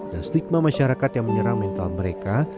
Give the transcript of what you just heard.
dan stigma masyarakat yang menyerang mental mereka